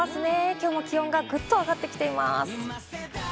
きょうも気温がぐっと上がってきています。